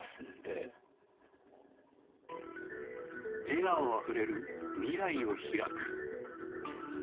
「笑顔あふれる未来を拓く」。